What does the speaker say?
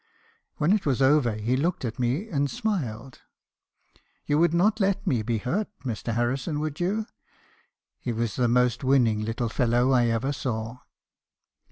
When it was over he looked at me , and smiled — u 'You would not let me be hurt, Mr. Harrison, would you?' He was the most winning little fellow I ever saw.